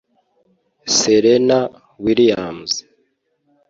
Serena Williams